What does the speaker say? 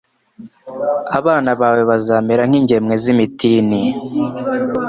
abana bawe bazamera nk’ingemwe z’imitini